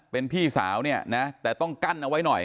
เป็นพี่สาวเนี่ยนะแต่ต้องกั้นเอาไว้หน่อย